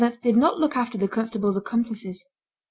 did not look after the constable's accomplices.